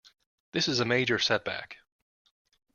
This is a major setback.